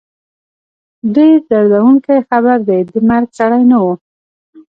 ډېر دردوونکی خبر دی، د مرګ سړی نه وو